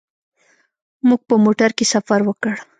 موږ په موټر کې سفر وکړ.